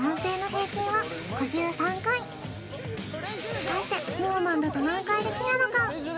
果たしてＳｎｏｗＭａｎだと何回できるのか。